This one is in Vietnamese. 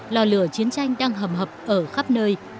lò lửa chiến tranh đang hầm hập ở khắp nơi